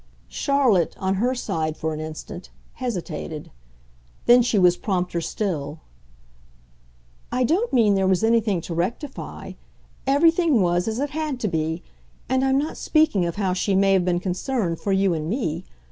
Charlotte, on her side, for an instant, hesitated; then she was prompter still. "I don't mean there was anything to rectify; everything was as it had to be, and I'm not speaking of how she may have been concerned for you and me.